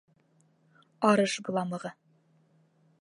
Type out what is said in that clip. Арыш боламығы!